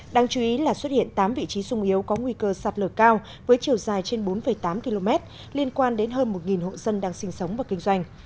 đáng chú ý là xuất hiện tám vị trí sung yếu có nguy cơ sạt lở cao với chiều dài trên bốn tám km liên quan đến hơn một hộ dân đang sinh sống và kinh doanh